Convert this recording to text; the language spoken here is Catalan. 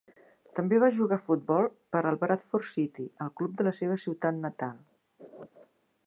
També va jugar a futbol per al Bradford City, el club de la seva ciutat natal.